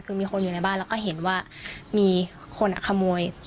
คือมีคนอยู่ในบ้านแล้วก็เห็นว่ามีคนขโมย